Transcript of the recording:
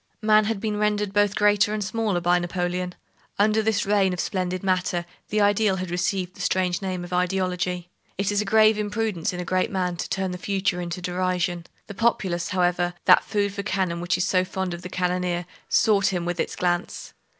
Man had been rendered both greater and smaller by Napoleon. Under this reign of splendid matter, the ideal had received the strange name of ideology! It is a grave imprudence in a great man to turn the future into derision. The populace, however, that food for cannon which is so fond of the cannoneer, sought him with its glance.